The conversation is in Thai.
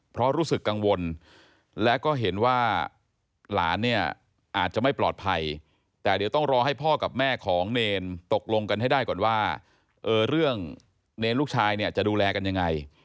เพราะรู้สึกกังวลและก็เห็นว่าหลานเนี่ยอาจจะไม่ปลอดภัยแต่เดี๋ยวต้องรอให้พ่อกับแม่ของเนรตกลงกันให้ได้ก่อนว่าเรื่องเนรลูกชายเนี่ยจะดูแลกันยังไง